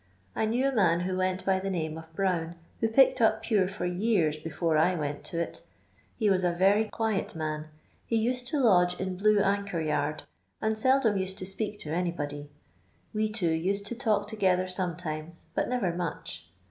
I knew a man who went by the name of Brown, who picked up Pore for yean before I went to It ; he was a very quiet man ; he used to lodge in Blue Anchor yard, ud seldom used to speak to anybody. We two Qicd to talk together sometimes, but never much.